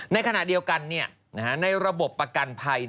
ในขณะเดียวกันในระบบประกันภัย